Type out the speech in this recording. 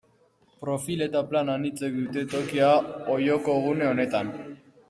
Profil eta plan anitzek dute tokia Olloko gune honetan.